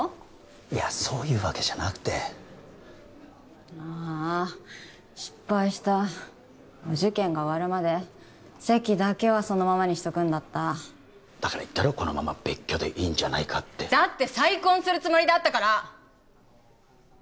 いやそういうわけじゃなくてああ失敗したお受験が終わるまで籍だけはそのままにしとくんだっただから言ったろこのまま別居でいいんじゃないかってだって再婚するつもりだったから！